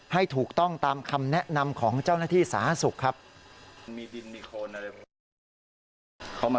ให้ถูกต้องตามคำแนะนำของเจ้าหน้าที่สาธารณสุขครับ